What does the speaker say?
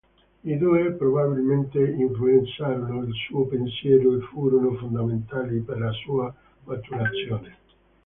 I due, probabilmente influenzarono il suo pensiero e furono fondamentali per la sua maturazione.